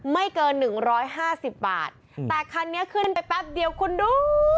ไม่เกิน๑๕๐บาทแต่คันนี้ขึ้นไปแป๊บเดียวคุณดู